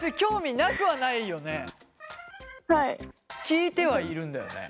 聞いてはいるんだよね。